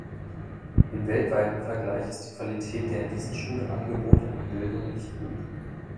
Im weltweiten Vergleich ist die Qualität der in diesen Schulen angebotenen Bildung nicht gut.